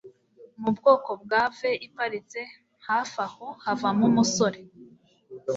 mu bwoko bwa V iparitse hafi aho havamo umusore